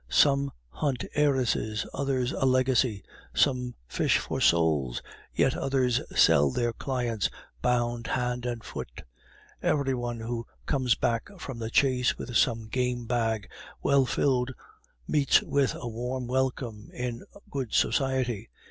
Some hunt heiresses, others a legacy; some fish for souls, yet others sell their clients, bound hand and foot. Every one who comes back from the chase with his game bag well filled meets with a warm welcome in good society.